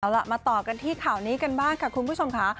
เอาล่ะมาต่อกันที่ข่าวนี้กันบ้างค่ะคุณผู้ชมค่ะ